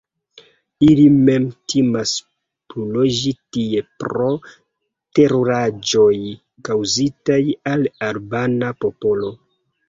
Ili mem timas pluloĝi tie pro teruraĵoj kaŭzitaj al albana popolo.